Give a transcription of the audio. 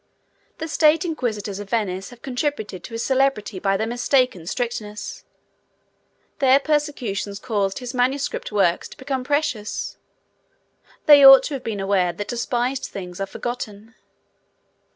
The state inquisitors of Venice have contributed to his celebrity by their mistaken strictness. Their persecutions caused his manuscript works to become precious. They ought to have been aware that despised things are forgotten.